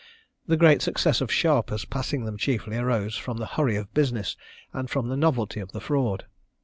The great success of sharpers passing them chiefly arose from the hurry of business, and from the novelty of the fraud.